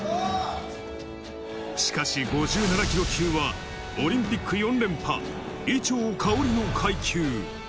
しかし、５７キロ級はオリンピック４連覇、伊調馨の階級。